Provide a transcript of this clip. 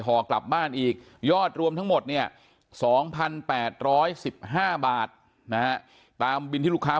ห่อกลับบ้านอีกยอดรวมทั้งหมดเนี่ย๒๘๑๕บาทนะฮะตามบินที่ลูกค้า